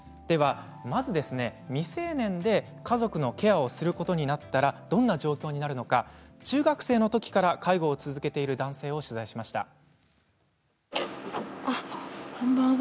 まず未成年で家族のケアをすることになったらどんな状況になるのか中学生のときから介護を続けている男性を取材しました。